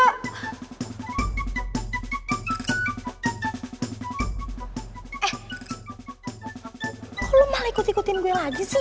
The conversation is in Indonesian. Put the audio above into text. eh kok lo malah ikut ikutin gue lagi sih